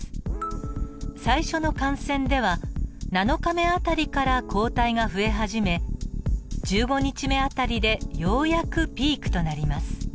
最初の感染では７日目辺りから抗体が増え始め１５日目辺りでようやくピークとなります。